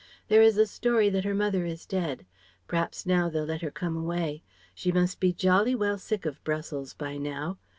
There is a story that her mother is dead. P'raps now they'll let her come away. She must be jolly well sick of Brussels by now.